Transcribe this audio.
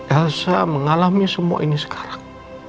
elsa mengalami semua ini sekarang